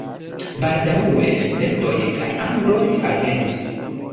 Baldaŭe svedoj kaj angloj alvenis.